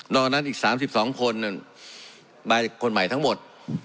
นอกจากนั้นอีก๓๒คนได้เป็นคนใหม่ทั้งหมด